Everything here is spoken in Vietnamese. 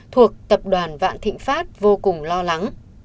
thuộc tập đoàn vạn thịnh pháp vô cùng lo lắng